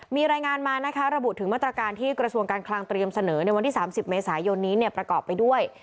มีรายงานมานะคะระบุถึงมาตรการที่กระทรวงการคลังเตรียมเสนอในวันที่๓๐เมษายนนี้ประกอบไปด้วย